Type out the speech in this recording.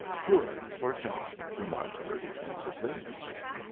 "Good for John," remarked Bertie, pensively.